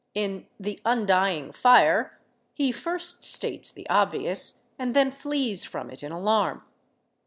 In "The Undying Fire" he first states the obvious, and then flees from it in alarm.